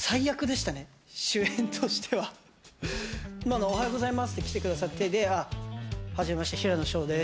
おはようございますって来てくださって、はじめまして、平野紫耀です、